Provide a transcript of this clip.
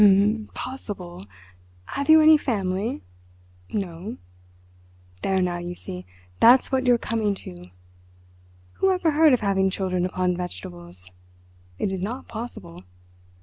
"Im—possible! Have you any family?" "No." "There now, you see, that's what you're coming to! Who ever heard of having children upon vegetables? It is not possible.